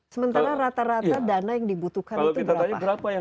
sementara rata rata dana yang dibutuhkan itu berapa